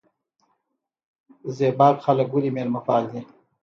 زیباک خلک ولې میلمه پال دي؟